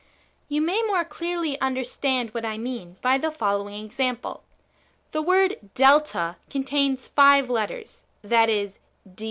You may more clearly understand what I mean by the following example :— The word Delta contains five letters, viz.